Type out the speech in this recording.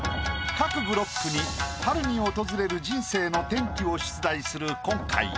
各ブロックに春に訪れる人生の転機を出題する今回。